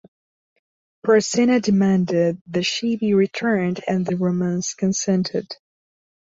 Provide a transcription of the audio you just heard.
Porsena demanded that she be returned, and the Romans consented.